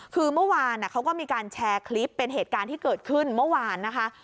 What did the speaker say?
คือเมื่อวานเขาก็มีการแชร์คลิปเป็นเหตุการณ์ที่เกิดขึ้นเมื่อวานนะคะ